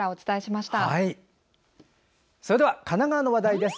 それでは神奈川の話題です。